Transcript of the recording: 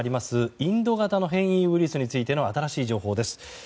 インド型の変異ウイルスについての新しい情報です。